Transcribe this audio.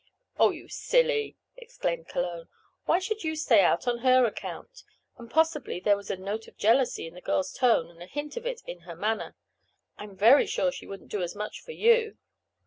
"Oh, you silly!" exclaimed Cologne. "Why should you stay out on her account?" and, possibly there was a note of jealousy in the girl's tone, and a hint of it in her manner. "I'm very sure she wouldn't do as much for you."